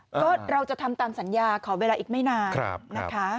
ก็เราจะทำตามสัญญาขอเวลาอีกไม่นานนะคะ